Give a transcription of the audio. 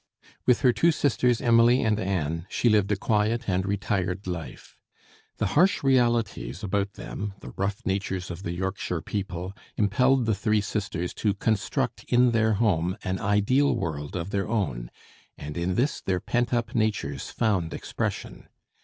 With her two sisters Emily and Anne she lived a quiet and retired life. The harsh realities about them, the rough natures of the Yorkshire people, impelled the three sisters to construct in their home an ideal world of their own, and in this their pent up natures found expression.